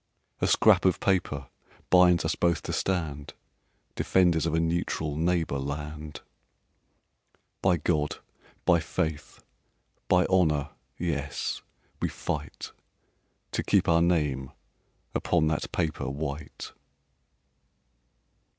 "A scrap of paper binds us both to stand Defenders of a neutral neighbor land. "By God, by faith, by honor, yes! We fight To keep our name upon that paper white."